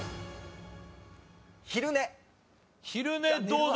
昼寝どうだ？